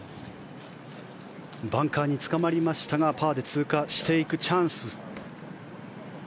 バンカーにつかまりましたがパーで通過していくチャンスです。